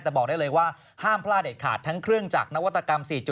แต่บอกได้เลยว่าห้ามพลาดเด็ดขาดทั้งเครื่องจักรนวัตกรรม๔๐